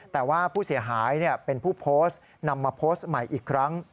แต่ว่าผู้เสียหายเป็นผู้โพสต์นำมาโพสต์ใหม่อีกครั้ง